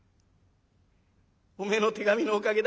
おめえの手紙のおかげだ。